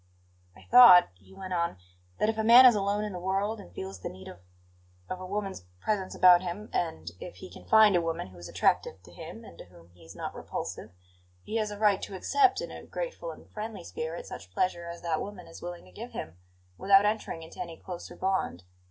"I thought," he went on; "that if a man is alone in the world and feels the need of of a woman's presence about him, and if he can find a woman who is attractive to him and to whom he is not repulsive, he has a right to accept, in a grateful and friendly spirit, such pleasure as that woman is willing to give him, without entering into any closer bond.